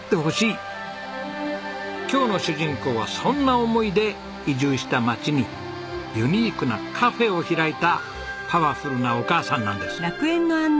今日の主人公はそんな思いで移住した町にユニークなカフェを開いたパワフルなお母さんなんです。